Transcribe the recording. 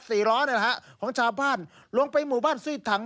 สี่ร้อนของชาวบ้านลงไปหมู่บ้านซุยทัง